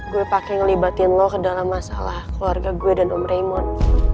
gue pakai ngelibatin lo ke dalam masalah keluarga gue dan om raymoon